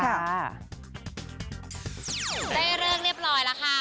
ได้เรื่องเรียบร้อยแล้วค่ะ